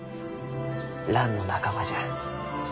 ランの仲間じゃ。